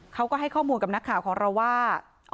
เขาก็ให้ข้อมูลกับนักข่าวของเราว่า